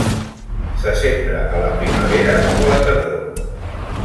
Se sembra a la primavera o a la tardor.